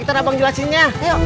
kita abang jelasinnya